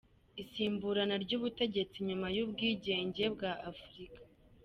Isimburana ry’ubutegetsi nyuma y’ubwigenge bwa Afurika.